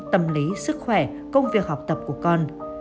tâm lý sức khỏe công việc học tập của con